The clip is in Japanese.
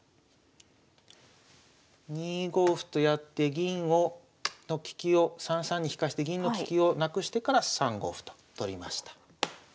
２五歩とやって銀の利きを３三に利かして銀の利きをなくしてから３五歩と取りました。